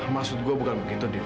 maksud gue bukan begitu